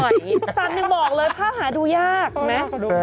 สันนึงบอกเลยภาพหาดูยากนะ